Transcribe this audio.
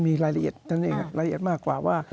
มีรายละเอียดรายละเอียดมากกว่าว่า